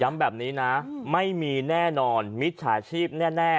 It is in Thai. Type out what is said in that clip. แบบนี้นะไม่มีแน่นอนมิจฉาชีพแน่